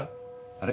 あれ？